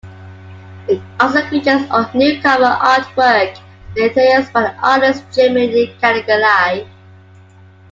It also features all new cover artwork and interiors by the artist Jeremy Caniglia.